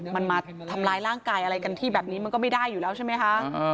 มันมาทำร้ายร่างกายอะไรกันที่แบบนี้มันก็ไม่ได้อยู่แล้วใช่ไหมคะ